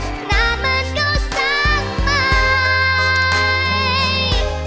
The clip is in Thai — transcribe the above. หน้ามันก็สร้างใหม่